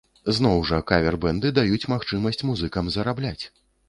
Зноў жа, кавер-бэнды даюць магчымасць музыкам зарабляць.